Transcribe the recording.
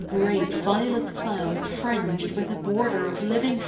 iv great violet cloud fringed with a border of livijig f?'